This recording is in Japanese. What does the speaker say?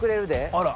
あら。